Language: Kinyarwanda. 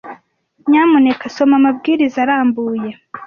Nyamuneka soma amabwiriza arambuye.